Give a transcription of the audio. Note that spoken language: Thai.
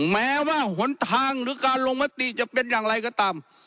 แม้ว่าหนทางหรือการลงมติจะเป็นอย่างไรก็ตาม